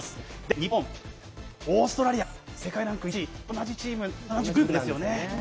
日本オーストラリア世界ランク１位同じグループなんですよね。